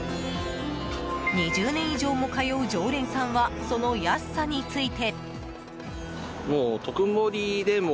２０年以上も通う常連さんはその安さについて。